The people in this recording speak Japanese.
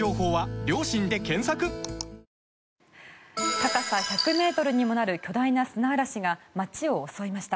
高さ１００ｍにもなる巨大な砂嵐が街を襲いました。